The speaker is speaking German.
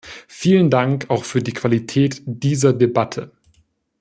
Vielen Dank auch für die Qualität dieser Debatte.